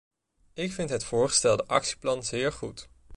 Ik vind het voorgestelde actieplan zeer goed.